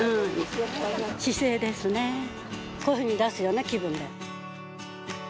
こういうふうに出すような気分で。